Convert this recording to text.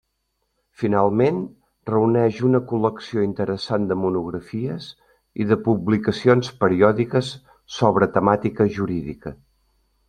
Finalment, reuneix una col·lecció interessant de monografies i de publicacions periòdiques sobre temàtica jurídica.